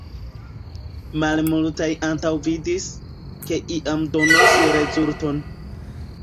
Malmultaj antaŭvidis, ke iam donos rezulton.